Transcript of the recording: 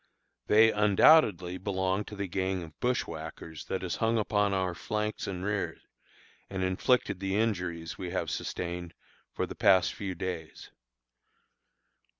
They undoubtedly belong to the gang of bushwhackers that has hung upon our flanks and rear, and inflicted the injuries we have sustained for the past few days.